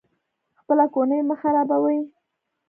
خپله کورنۍ مه خرابوئ